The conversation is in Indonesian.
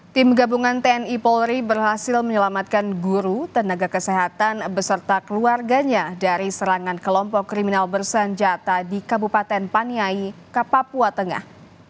tim gabungan tni polri berhasil menyelamatkan guru tenaga kesehatan beserta keluarganya dari serangan kelompok kriminal bersenjata di kabupaten paniai kapapua tengah